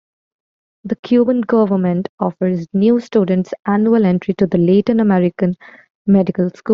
The Cuban government offers new students annual entry to the Latin American Medical School.